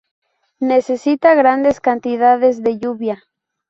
Necesita grandes cantidades de lluvia.